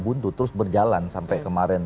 buntu terus berjalan sampai kemarin